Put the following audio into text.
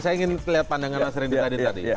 saya ingin lihat pandangan mas rendy tadi